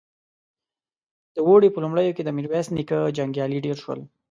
د اوړي په لومړيو کې د ميرويس نيکه جنګيالي ډېر شول.